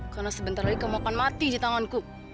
karena sebentar lagi kamu akan mati di tanganku